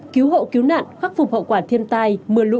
cứu hậu cứu nạn khắc phục hậu quả thiên tai